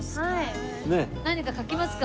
何か書きますか。